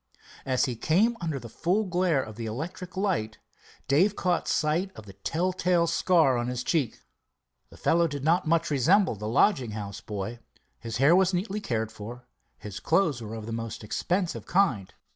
As he came under the full glare of the electric light, Dave caught sight of the tell tale scar on his cheek. The fellow did not much resemble the lodging house boy. His hair was neatly cared for, his clothes were of the most expensive kind.